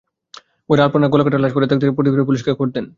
ঘরে আলপনার গলাকাটা লাশ পড়ে থাকতে দেখে প্রতিবেশীরা পুলিশকে খবর দেন।